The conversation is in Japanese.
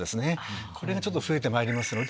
これが増えてまいりますので。